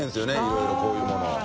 い蹐いこういうものを。